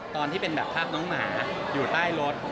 ตอนที่เป็นแบบภาพน้องหมาอยู่ใต้รถ